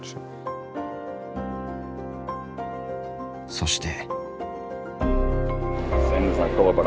そして。